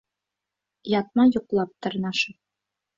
Ятма йоҡлап, тырнашып.